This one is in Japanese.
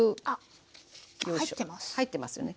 あっ入ってます。